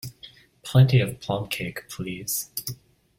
Plenty of plum-cake, please.